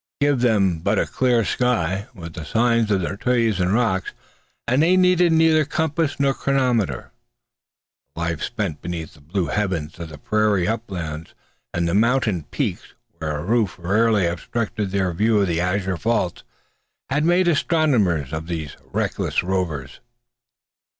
Give them but a clear sky, with the signs of the trees and rocks, and they needed neither compass nor chronometer. A life spent beneath the blue heavens of the prairie uplands and the mountain parks, where a roof rarely obstructed their view of the azure vaults, had made astronomers of these reckless rovers.